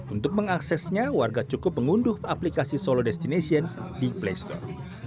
untuk mengaksesnya warga cukup mengunduh aplikasi solo destination di play store